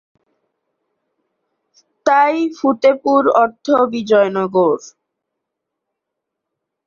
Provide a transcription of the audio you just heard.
তাই ফতেপুর অর্থ বিজয় নগর।